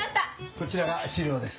こちらが資料です。